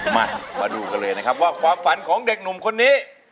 มาดูกันเลยนะครับว่าความฝันของเด็กหนุ่มคนนี้